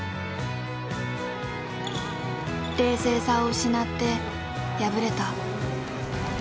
冷静さを失って敗れた。